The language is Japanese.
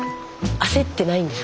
焦ってないです。